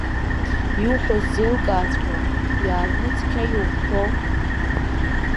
Иуҳәо сзеилкааҵәҟьом, иаартны цқьа иумҳәо!